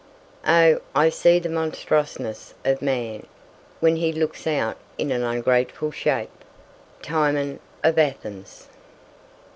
"Oh I see the monstrousness of man When he looks out in an ungrateful shape." Timon of Athens.